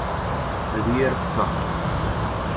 Ad d-yer ttar.